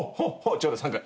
ちょうだい３回。